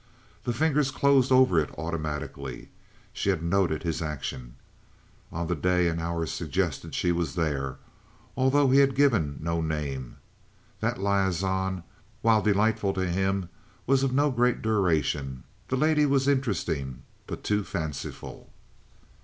The fingers closed over it automatically. She had noted his action. On the day and hour suggested she was there, although he had given no name. That liaison, while delightful to him, was of no great duration. The lady was interesting, but too fanciful.